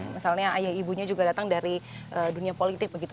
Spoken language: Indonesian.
misalnya ayah ibunya juga datang dari dunia politik begitu